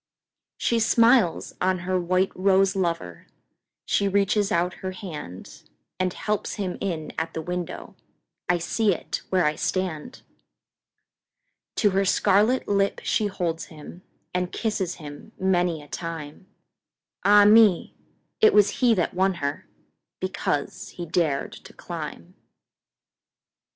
She smiles on her white rose lover, She reaches out her handAnd helps him in at the window—I see it where I stand! To her scarlet lip she holds him, And kisses him many a time—Ah, me! it was he that won herBecause he dared to climb!